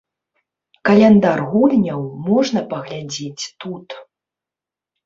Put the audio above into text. Каляндар гульняў можна паглядзець тут.